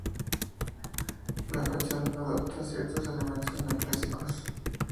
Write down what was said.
La fachada adopta ciertos elementos neoclásicos.